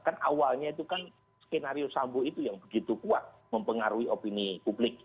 kan awalnya itu kan skenario sambu itu yang begitu kuat mempengaruhi opini publik